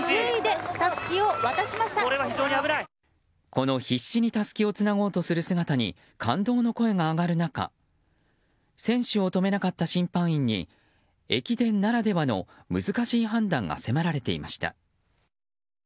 この必死にたすきをつなごうとする姿に感動の声が上がる中選手を止めなかった審判員に駅伝ならではの難しい判断が迫られていました。